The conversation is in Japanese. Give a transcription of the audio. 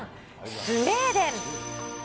スウェーデン。